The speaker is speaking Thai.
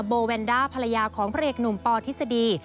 โบแวนด้าภรรยาของพระเอกหนุ่มปอทฤษฎี